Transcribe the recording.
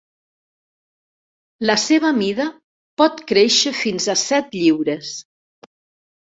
La seva mida pot créixer fins a set lliures.